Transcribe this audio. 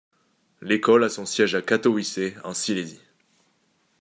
L’école a son siège à Katowice, en Silésie.